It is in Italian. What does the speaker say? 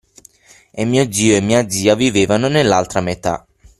e mio zio e mia zia vivevano nell'altra metà,